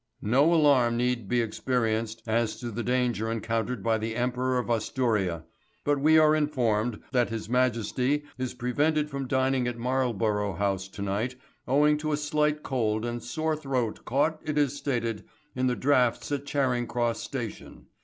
"No alarm need be experienced as to the danger encountered by the Emperor of Asturia, but we are informed that His Majesty is prevented from dining at Marlborough House to night owing to a slight cold and sore throat caught, it is stated, in the draughts at Charing Cross Station.